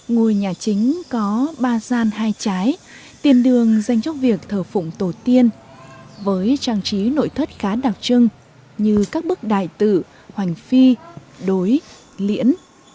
ngôi nhà chính có ba gian hai trái tiền đường dành cho việc thờ phụng tổ tiên với trang trí nội thất khá đặc trưng như các bức đại tử hoành phi đối liễn